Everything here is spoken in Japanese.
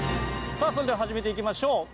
さあそれでは始めていきましょう。